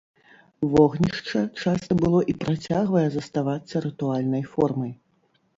Вогнішча часта было і працягвае заставацца рытуальнай формай.